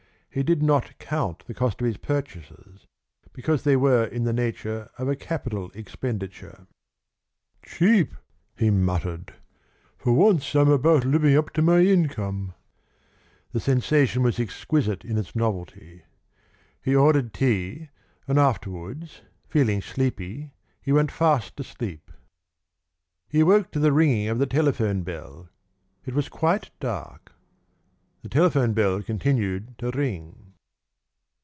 (He did not count the cost of his purchases, because they were in the nature of a capital expenditure.) "Cheap!" he muttered. "For once I'm about living up to my income!" The sensation was exquisite in its novelty. He ordered tea, and afterwards, feeling sleepy, he went fast asleep. He awoke to the ringing of the telephone bell. It was quite dark. The telephone bell continued to ring.